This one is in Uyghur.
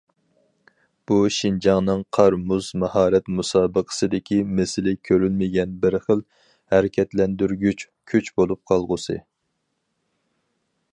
بۇ، شىنجاڭنىڭ قار- مۇز ماھارەت مۇسابىقىسىدىكى مىسلى كۆرۈلمىگەن بىر خىل ھەرىكەتلەندۈرگۈچ كۈچ بولۇپ قالغۇسى.